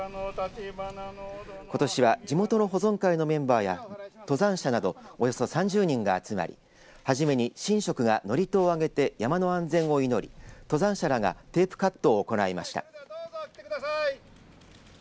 ことしは地元の保存会のメンバーや登山者などおよそ３０人が集まり初めに神職が祝詞をあげて山の安全を祈り、登山者らがテープカットを行いました。